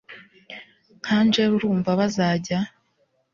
nka angella urumva bazajya